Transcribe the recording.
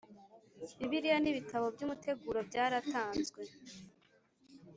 Bibiliya n ibitabo by umuteguro byaratanzwe